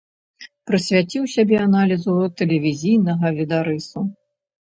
Прысвяціў сябе аналізу тэлевізійнага відарысу.